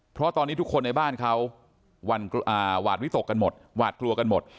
เพราะตอนนี้ทุกคนในบ้านเขาหวาดวิตกกันหมดหวาดกลัวกันหมด